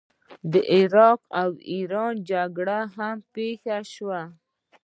د عراق او ایران جګړه هم پیښه شوه.